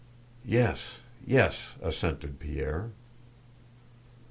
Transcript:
"Yes, yes," assented Pierre.